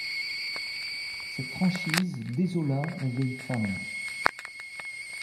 Cette franchise désola la vieille femme.